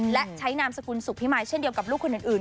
และใช้นามสกุลสุขพิมายเช่นเดียวกับลูกคนอื่น